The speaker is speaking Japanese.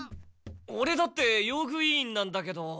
オレだって用具委員なんだけど。